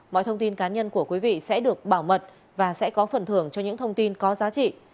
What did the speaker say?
mọi thông tin cá nhân của quý vị sẽ được bảo mật và sẽ có phần thưởng cho những thông tin có giá trị